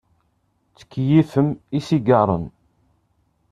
Tkeyyfem isigaṛen.